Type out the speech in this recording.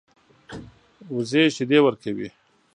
وزې شیدې ورکوي